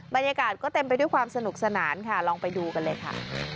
บรรยากาศก็เต็มไปด้วยความสนุกสนานค่ะลองไปดูกันเลยค่ะ